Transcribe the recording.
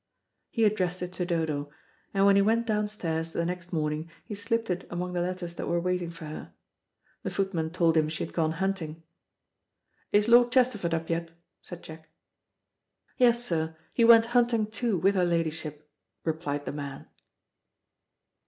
He addressed it to Dodo, and when he went downstairs the next morning he slipped it among the letters that were waiting for her. The footman told him she had gone hunting. "Is Lord Chesterford up yet?" said Jack. "Yes, sir; he went hunting too with her ladyship," replied the man.